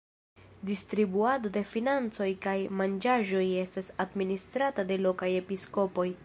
Distribuado de financoj kaj manĝaĵoj estas administrata de lokaj episkopoj.